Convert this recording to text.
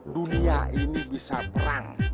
dunia ini bisa berang